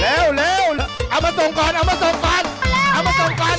เร็วเร็วเอามาส่งก่อนเอามาส่งก่อน